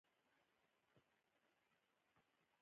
جنګ د هېوادونو تر منځ ګډوډي او تېرې رامنځته کوي.